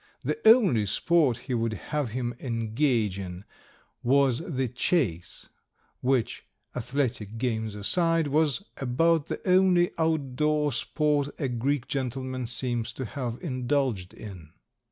The only sport he would have him engage in was the chase, which, athletic games aside, was about the only outdoor sport a Greek gentleman seems to have indulged in.